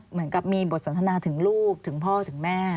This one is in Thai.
เหมือนกับมีบทสนทนาถึงลูกถึงพ่อถึงแม่